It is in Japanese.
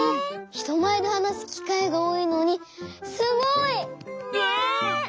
ひとまえではなすきかいがおおいのにすごい！ねえ！